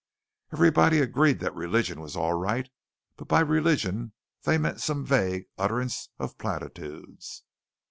Everybody agreed that religion was all right; but by religion they meant some vague utterance of platitudes.